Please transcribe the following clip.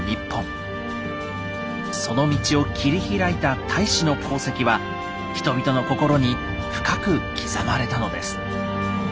その道を切り開いた太子の功績は人々の心に深く刻まれたのです。